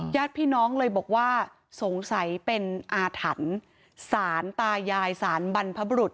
ญาติพี่น้องเลยบอกว่าสงสัยเป็นอาถรรพ์สารตายายสารบรรพบรุษ